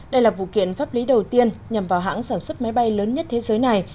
đây là vụ kiện pháp lý đầu tiên nhằm vào hãng sản xuất máy bay lớn nhất thế giới này